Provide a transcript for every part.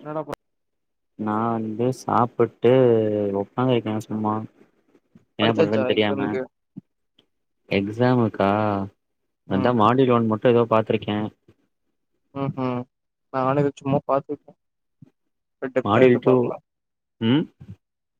என்னடா ப நா வந்து சாப்பிட்டு ஒக்காந்துருக்கே சும்மா என்ன படிச்சாச்சா பண்றன் தெரியாம எக்ஸாம்க்கு எக்ஸாமுக்கா அதா ம் மாடிலோன் மட் டு எதோ பாத்திருக்கே உம் உம் நானு எதொ சும்மா பாத்துருக்க மாடில் ட்டு ம்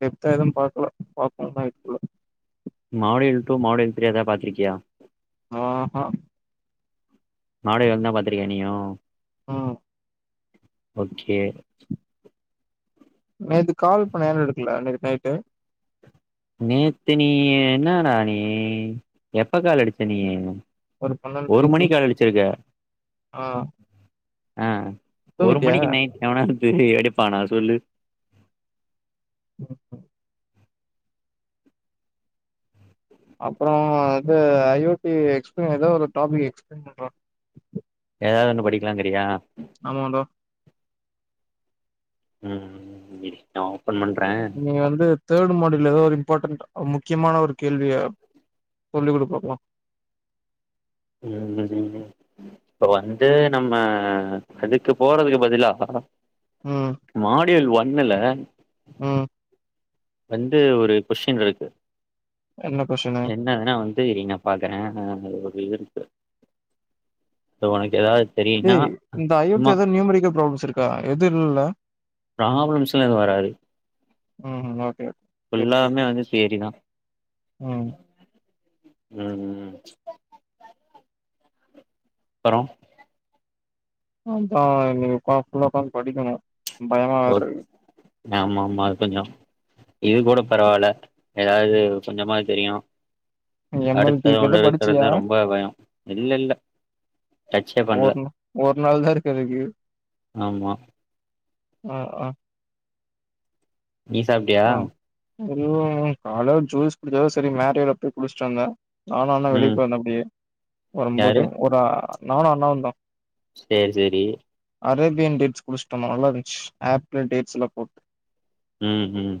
பெத்ததும் பாக்ல [unintelligible] மாடேல் டூ மாடேல் த்ரீ அதா பாத்திருக்கியா ஹூ ஹு மாட ஒன்தா பாத்திருக்கியா நீயு ம் ஓகே நேத்துக்கால் பண்ண ஏன்டா எடுக்கல நேத்து நைட்டு நேத்து நீ என்னடா நீ எப்ப காலடிச்ச நீ ஒரு ஒரு மணி பன்னெண்ட்ரைக்கு கால் அடிச்சிருக்க ஆஹ் ஆஹ் ஒரு மணிக் நைட் எவனாது து எடுப்பானா சொல்லு [inaudible] அப்பறொ அது அயோத்தி எக்ஸ்பிளிம் எதோ ஒரு டாபிக் எக்ஸ்பிளைன் பண்றோ எதாது ஒன்னு படிக்கலாங்கரியா ஆமாடா உம் ம் [unintelligible] நீ வந்து தேர்டு மாடல் ல்ல எதோ ஒரு இம்பார்டன்ட் அ முக்கியமான ஒரு கேள்விய சொல்லி குடுபாப்ப உம் ம் ம் ப்ப வந்து நம்ம அதுக்கு போறதுகு பதுலா ம் மாடியல் ஒன்னுல ம் வந்து ஒரு கொஷ்டின் இருக்கு என்ன கொஸ்டினு என்னதுனா வந்து இ நா பாக்குற [unintelligible] க்கு ஒனக்கு எதாது டேய் இந்த அயோட் எதோ நியூமரிக்கள் ப்ராப்ளம் ச்சிருக்கா எது இல்ல ப்ராப்லம்ஸ்ல்லா எதுவு வராது ம்‌ ஓகே ஓகே. சரி, சரி. ஃபுல்லாமே வந்து தியரிதா ம். ம் அப்றோ அ இன்னிக்கி பாக்குணு உக்காந்து படிக்கிணு பயமா வேற இருக்கு ஆமாமா அது கொஞ்சோ இது கூட பரவால்ல எதாவது கொஞ்சமாவது தெரியு எம்.எல்.டி அடுத்தது இப்ப ஒண்ணு படிச்சியா? இருக்கறது ரொம்ப பயோ இல்லல்ல டச்சே பண்ல ஒரு நா ஒரு நாள் தான் இருக்கு அதுக்கு. ஆமா ஹ ஆஹ நீ சாப்ட்டியா ஒரு கால ஜுஸ் ஜுஸ் சரி மேரேல போய் குடிச்சிட்டு வந்த நானாந்தா வெளிய ம் போயிருந்தாப்படி வரும்போது ஒரு ஆ நானு அண்ணாவுந்தா சேர் செரி அரேபியன் டேட்ஸ் குடிச்சிட்டு வந்தோ நல்லா இந்துச்சு ஆப்பிள், டேட்ஸ்ல்லா போட்டு ம் ஹும்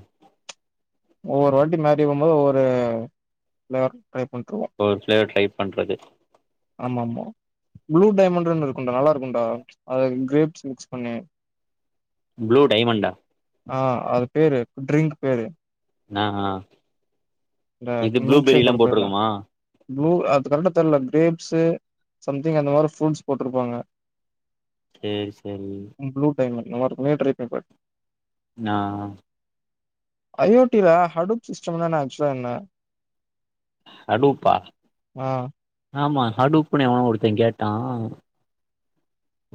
ஒவ்வொரு வாட்டி மாறி வரும்போது ஒரு ஓர் ட்ரே டைப் பண்றது ஆமாரமா ப்ளூ டைமண்ட்டுன்று இரு கொண்டோ நல்லா இருக்குன்டா அது கிரேப்ஸ் மிக்ஸ் பண்ணி ப்ளூ டைமண்ட்டா ஆ அது பேரு ட்ரிங்க் பேரு நா இந்த இது ப்ளூபெரில்லா மில்சேக்கோட பேருதா போட்ருக்குமா ப்ளூ அது கரெட்டா தெர்ல கிரேப்ஸ்சு சம்திங் அந்த மாரி ஃப்ரூட்ஸ் போட்ருப்பாங்க சேரி சேரி நல்லா இருக்கு நீயு ட்ரை பண்ணிப் பாரு நா ஐ ஓ டி ல ஹடூப் சிஸ்டம்தான சன்ன ஹடூப்பா ஆமா ஹடூப்னு எவனோ ஒருத்த கேட்டா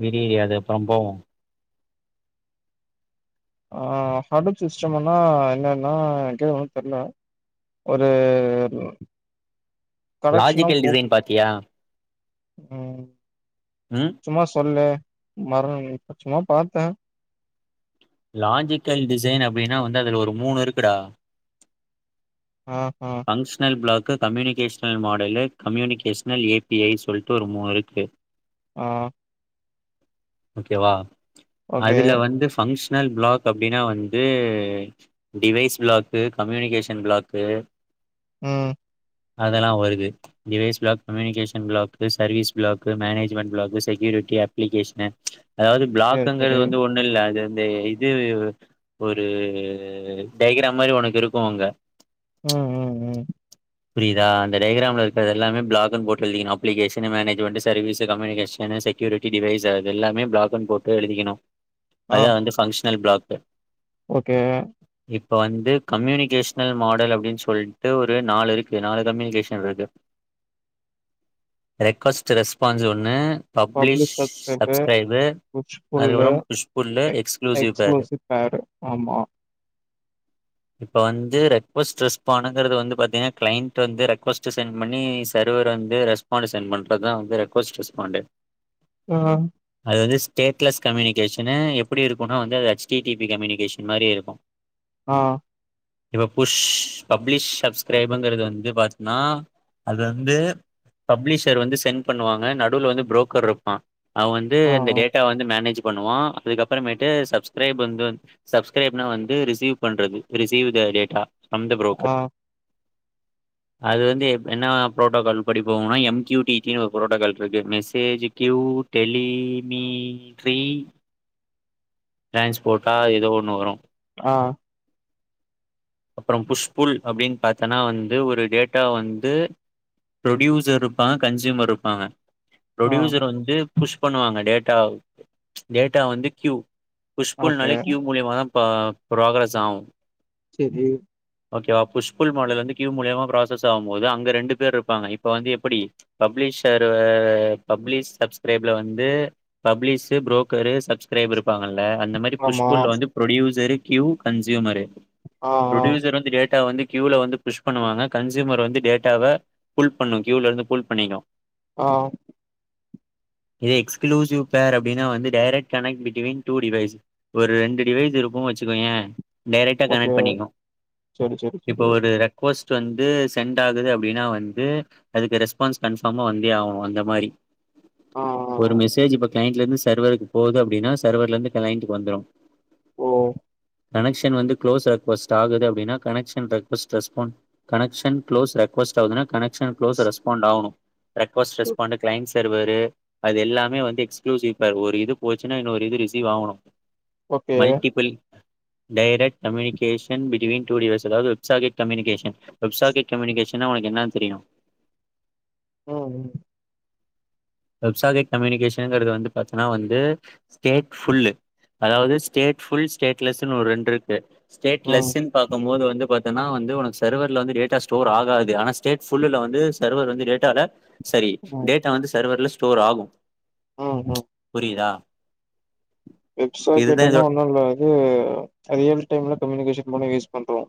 விடி அத அப்ற போவோ ஆ ஹார்டுவர் சிஸ்டமுன்னா என்னன்னா எனக்கே ஒன்னு தெர்ல ஒரு அது லாஜிக்கல் டிசைன் பாத்தியா ஹ் ம் சும்மா சொல்லு மரொ சும்மா பாத்த லாஜிக்கல் டிசைன் அப்படின்னா வந்து அதுல ஒரு மூணு இருக்குடா ஆ ஆ ஃபங்ஷ்னல் பிளாக் க communicational model communicational A P I சொல்ட்டு ஒரு மூணுருக்கு ஆஹ் ஓகேவா ஓகே. அதுல வந்து பங்க்ஷ னல் ப்ளாக் அப்டின்னா வந்து டிவைஸ் பிளாக்கு கம்யூனிகேஷன் பிளாக்கு உஹம் அதெல்லா வருது device block communication block service block management block security அப்ளிகேஷன்னு அதாவது சரி பிளாக்குங்கறது சரி. வந்து ஒன்னு இல்ல அது இந்த இது ஒரு டைக்ராம் மாரி உனக்கு இருக்கோ அங்க உம் உம் உம் புரியுதா அந்த டைகிராம்ல இருக்கற எல்லாமே பிளாகுன்னு போட்டு எழுதிக்கணும் application management service communication security device அது எல்லாமே பிளாக்குன்னு போட்டு எழுதிக்கணு ஆ அதான் வந்து பன்க்ஸ்னல் பிளாக் [inaudible] ஓகே இப்ப வந்து கம்யூனிகேஷனல் மாடல் அப்டின்னு சொல்லிட்டு ஒரு நாலு இரு நாலு கம்யூனிகேஷன் இருக்கு ரெக்வஸ்ட் ரெஸ்பான்ஸ் ஒன்னு பப்ளிஷ் சப்ஸ்க்ரைபே புஷ்புள்ளே அதுக்கப்புறம் புஷ்புல்ல எக்ஸ் பேரு எக்ஸ்க்ளூசிவ் பேரு ஆமா இப்ப வந்து ரெக்வஸ்ட் ரெஸ்பானுங்கறது வந்து பாத்தீனா கிளைண்ட் வந்து ரெக்வெஸ்ட்டு சென்ட் பண்ணி சர்வர் வந்து ரெஸ்பாண்டு சென்ட் பண்ணுறதுதா வந்து ரெக்வஸ்ட் ரெஸ்பாண்டு ஆஹ அது வந்து ஸ்டேட்லெஸ் கம்யூனிகேஷன்னு எப்டி இருக்கும்னா வந்து அது ஹச் டி பி கம்யூனிகேஷன் மாதிரி இருக்கும் ஆஹ் இப்போ புஷ் பப்ளிஷ் சப்ஸ்கிரைப் ங்கிறது வந்து பாத்தினா அது வந்து பப்ளிஷர் வந்து சென்ட் பண்ணுவாங்க நடுவுல வந்து புரோக்கர் இருப்பான் அவே வந்து ஆ இந்த டேட்டா வந்து மேனேஜ் பண்ணுவா அதுக்கப்புறமேட்டு சப்ஸ்கரைப்ன்ற சப்ஸ்கிரைப் வந்து ரிசீவ் பண்றது ரிசீவ் த டேட்டா சந்த ஆ புரோக்கர் அது வந்து எப் என்னா ப்ரோட்டோக்கால் படி போகோன்னா எம் யூ டி டி னு ஒரு ப்ரோட்டோக்கால் இருக்கு மெசேஜ் க்யூ டெலிமீட்ரி டிரான்ஸ்போட்டா ஏதோ ஒன்று வரோ ஆஹ் அப்புறோ புஷ்புல் அப்டின்னு பாத்தேன்னா வந்து ஒரு டேட்டா வந்து ப்ரொடியூசர் இருப்பாங்க கன்சியூமர் இருப்பாங்க ஆ ப்ரொடியூசர் வந்து புஷ் பண்ணுவாங்க டேட்டா டேட்டா வந்து க்யூ புஷ்புல் ஓகே நாலே க்யூ மூலியமதா ப்ரோக்ரெஸ் ஆவு செரி ஓகேவா புஷ் புள் மாடல் வந்து கியூ மூலியமா ப்ராசஸ் ஆகும்போது அங்க ரெண்டு பேர் இருப்பாங்க இப்போ வந்து எப்படி பப்ளிஷர் ஆ பப்ளிஷ் சப்ஸ்கிரைப்ல வந்து பப்ளிஷு ப்ரோக்கரு சப்ஸ்கிரைப்பரு இருப்பாங்க அந்த மாரி ஆமா புஷ்புல்ல வந்து ப்ரொடியூசர் கியூ கன்சயூமரு ஆ ஆ ப்ரொடியூசர் வந்து டேட்டா வந்து கியூல வந்து புஷ் பண்ணுவாங்க கன்சியூமர் வந்து டேட்டாவ புல் பண்ணு கியூல இருந்து புல் பண்ணிறோ ஆஹ் இது எக்ஸ்க்ளூசிவ் பேர் அப்டின்னா வந்து direct connect between two device ஒரு ரெண்டு டிவைஸ் இருக்கோ வெச்சுக்கோயே டேரெக்டா ஓகே கனெக்ட் பண்ணிக்கு செரி செரி இப்ப செரி ஒரு ரெ போஸ்ட் வந்து செண்டட் ஆகுது அப்படின்னா வந்து அதுக்கு ரெஸ்பான்ஸ் கன்ஃபார்மாக வந்தே ஆகணும் அந்த மாரி ஆ ஆ ஒரு மெசேஜ் ப கிளைண்ட்ல இருந்து சர்வருக்கு போகுது அப்படின்னா சர்வர்லந்து கிளைண்ட்டுக்கு வந்துரும் ஓ கனெக்க்ஷன் வந்து க்ளோஸ் ரெக்வஸ்ட் ஆகுது அப்படின்னா connection request respond connection close request ஆகுதுனா கனெக்க்ஷ ஷன் க்ளோஸ் ரெஸ்பாண்ட் ஆகனும் ரெக்வஸ்ட் ரெஸ்பான்டு க்ளைண்டஸ் சர்வரு அது எல்லாமே வந்து எக்ஸ்களூசிவ் பேர் ஒரு இது போச்சுன்னா இன்னொரு இது ரிசீவ் ஆகணும் okay multiple direct communication between two device அதாவது வெப்சாகட் கம்யூனிகேஷன் வெப்சாகட் கம்யூனிகேஷன்னா உனக்கு என்ன தெரியும் ஓ ம் வெப்சாகட் கம்யூனிகேஷனுங்கிறது வந்து பாத்தன்னா வந்து ஸ்டேட் ஃபுல்லு அதாவது ஸ்டேட் ஃபுல் ஸ்டேட் லெஸ்னு ஒரு ரெண்டு இருக்கு ஸ்டேட் ம் லெஸ்ஸூன்னு பாக்கும்போது வந்து வந்து பாத்தன்னா வந்து உனக்கு சர்வர்ல வந்து டேட்டா ஸ்டோர் ஆகாது ஆன ஸ்டேட் ஃபுல்லுல வந்து சர்வர் வந்து டேட்டால செரி ம் டேட்டா வந்து சர்வர்ல ஸ்டோர் ஆகும் ச்சு புரியுதா வெப்சா இதுதான் கெட்டன்னா இதோட ஒண்ணும் இல்ல இது போ ரியல் டைம்ல கம்யூனிகேஷன் பண்ண யூஸ் பண்றோம்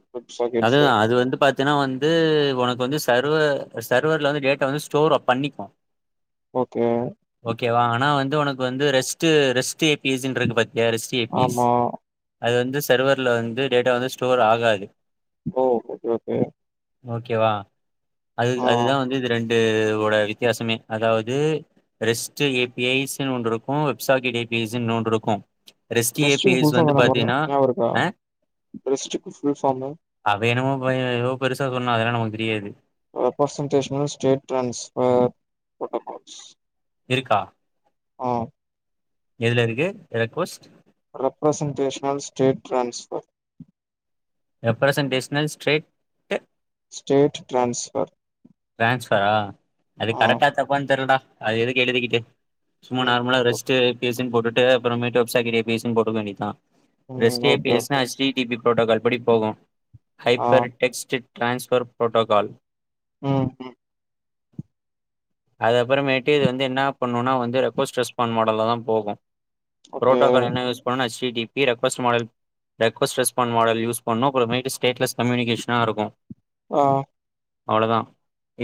அது அது வந்து பாத்தீன்னா வந்து உனக்கு வந்து சர்வ சர்வர்ல வந்து டேட்டா வந்து ஸ்டோர் பண்ணிக்கும் ஓகே ஓகே வா ஆனா வந் உனக்கு வந்து ரெஸ்ட் ரெஸ்ட் எப் பீஸ்ன்னுயிருக்கு பத்திய ரெஸ்ட் ஏ பீ ஐஸ் ஆமா அது வந்து சர்வரில வந்து டேட்டா வந்து ஸ்டோர் ஆகாது ஓ ஓகே ஓகே ஓகேவா அது ஆ அதுதான் வந்து இது ரெண்டு இதோட வித்தியாசமே அதாவது ரெஸ்ட் ஏ பி ஐஸ்னு ஒன்னு இருக்கும் வெப்சாகி டேட் ஏ பி ஐனு ஒன்னு இருக்கும் ரெஸ்ட் ஏ பி ரெஸ்ட்டுக்கு ஐஸ் ஃபுல் ஃபார்ம் வந்து என்ன மறந்த பாத்தீங்கன்னா ஞாபகம் இருக்கா அ ரெஸ்ட்டுக்கு ஃபுல் ஃபார்மு அது என்னமோ பண்ணி ஏதோ பெருசு சொன்னாரு அதல்லா நமக்கு தெரியாது பர்சன்டேஷனல் ஸ்டேட் ட்ரான்ஸ்ஃபர் ப்ரோட்டோக்கால்ஸ் இருக்கா ஆ எதுல இருக்கு request representational state transfer representational state state transfer டிரான்ஸ்பரா அது கரக்டா தப்பா தெரியல டா அது எதுக்கு எழுதிக்கிட்டு சும்மா நார்மலா ரெஸ்ட் பேச தின் போட்டுட்டு அப்புற மேட்டு வெப்சாகிரி பீஸ் போட்டுக்க வேண்டிதா ரெஸ்டியேட் ஏர்ச்னா ஸ்ரீ டி பி ப்ரோட்டோக்கால் படி போகு ஹைப்பர்டெக்ஸ்ட் டிரான்ஸ்பர் ப்ரோட்டோக்கால் உம் உம் அது அப்புறமேட்டு இது வந்து என்ன பண்ணணும்னா வந்து ரெக்வஸ்ட் ரெஸ்பான்ஸ் மாடல்லதா போகு ப்ரோட்டோக்கால் என்ன யூஸ் பண்ணனுனா Sri D B request request response model use பண்ணனு ஸ்டேட்லஸ் கம்யூனிகேஷனா இருக்கு ஆ அவ்ளோதா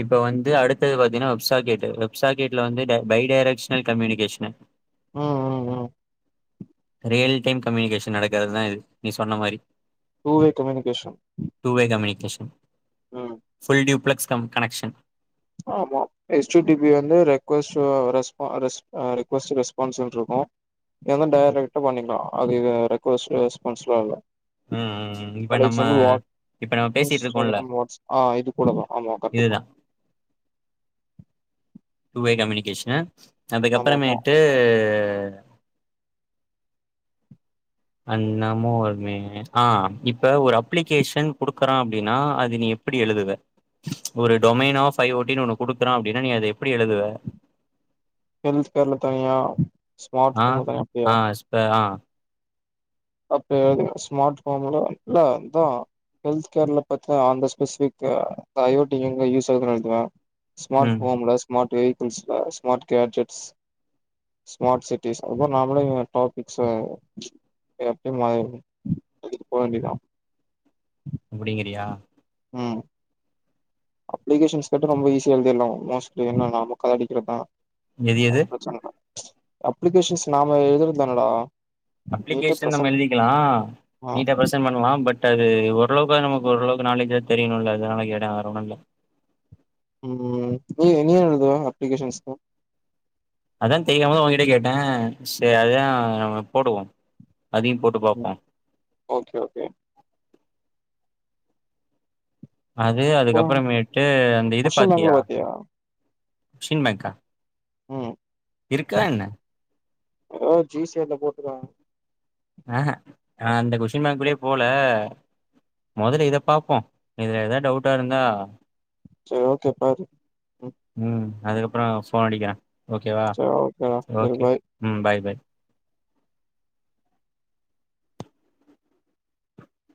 இப்ப வந்து அடுத்துதது பாத்தீனா வெப்சாக்கெட் வெப்சாக்கெட்ல வந்து பை டைரக்ஷனல் கம்யூனிகேஷன் உம் உம் உம் ரியல் டைம் கம்யூனிகேஷன் நடக்கிறதுதா இது நீ சொன்ன மாரி டூ வே கம்யூனிகேஷன் கேஷன் ஃபுல் டியூப்ளக்ஸ் தம் கனக்ஷன் ஆமா எஸ்டடிபி வந்து ரெக்வெஸ்ட் ரெஸ்பா ரெஸ் ரிக்வெஸ்ட் ரெஸ்பான்ஸ்ன்று இருக்கு இத டைரக்ட்டா பண்ணிக்கலா அது ரெக்வெஸ்ட் ரெஸ்பான்ஸ்ல எல்லா இப்போ ஃபார் நம்ம எக்ஸாம்பிள் இப்போ நம்ம பேசிட்டு இருக்கோம்ல வா ஆ இது கூடதா ஆமா கரெக்டுதா இதுதான் டூ வே கம்யூனிகேஷன் ஆமா ஆமா அதுக்கப்புறமேட்டு தெ அண்ணமோ வருமே ஆஹ் இப்ப ஒரு அப்ளிகேஷன் குடுக்குறான் அப்படின்னா அது நீ எப்படி எழுதுவ ப்ச் ஒரு டொமைனாவ் பைவ் ஓட்டினு ஒண்ணு குடுக்குறான் அப்படினா நீ அத எப்படி எழுதுவ ஹெல்த் கேர்ல தனியா ஸ்மார்ட் ஆ போன் தனியா அப்படியா ஆ ஸ்ப ஆ அப்ப ஸ்மார்ட் போன்ல இல்ல அதா ஹெல்த் கேர்ல பாத்தா அந்த ஸ்பெசிபிக் தயோட்டின் எங்க யூஸ் ஆகுதுனு எழுதுவ ஸ்மார்ட் ம் போன்ல ஸ்மார்ட் வெஹிகிள்ஸ்ல ஸ்மார்ட் கேட்ஜெட்ஸ் ஸ்மார்ட் சிட்டீஸ் அதா நாமளே இனி டாபிக்ஸ எப்பய மா போவண்டிதா அப்டிங்கிறியா உம் அப்ளிகேஷன்ஸ் கேட்ட ரொம்ப ஈஸிய எழுதிடலா மோஸ்ட்லி என்ன நாம கத அடிக்கிறதுதா எது அது எது பிரச்சனல்ல அப்ளிகேஷன்ஸ் நாம எழுதறது தாநடா அப்ளிகேஷன் நம்ம எழுதிக்கலாம ஆ நீட்டா பிரசன் பண்ணுலா பட் பட் அது ஓரளவுக்க நமக்கு ஓரளவுக்கு நாலேஜா தெரியணுல்ல அதனால கேடா வேற ஓன்னுல உம் ஏ என்னனு எழுதுவ அப்ளிகேஷன்ஸ் ல அதான் தெரியாம உங்கிட்ட கேட்டே சரி அததான் போடுவோ அதையு போட்டு பாப்போ ஓகே ஓகே அது இப்போ அதுக்கப்புறமேட்டு அந்த இது கொஸ்டின் பேங்க்ல பாத்தியா ஷின் மேக்கா இருக்கா என்ன ஆஹ ஜி சேட்ல போட்டுக்காலா ஆஹ் அந்த கொஷின் மார்க்குளயே போல முதல்ல இதை பாப்போம் இதுல ஏதாவ டவுட்டா இருந்தா செரி ஓகே பாரு ம். அதுக்கப்புறம் போன் அடிக்கிறேன் ஓகே வா சரி ஓகேடா சரி ஓகே பாய் ம் பாய் பாய்